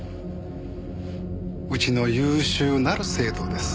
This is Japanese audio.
うちの優秀なる生徒です。